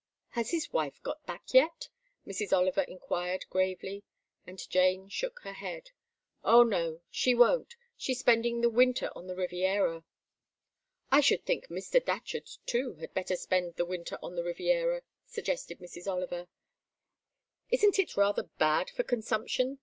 "Has his wife got back yet?" Mrs. Oliver inquired gravely, and Jane shook her head. "Oh no. She won't. She's spending the winter on the Riviera." "I should think Mr. Datcherd too had better spend the winter on the Riviera," suggested Mrs. Oliver. "Isn't it rather bad for consumption?"